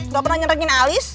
gak pernah nyerenyekin alis